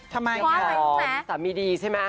ทำไมแค่สามีดีใช่มั้ย